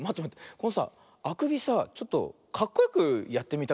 このさあくびさちょっとかっこよくやってみたくなっちゃった。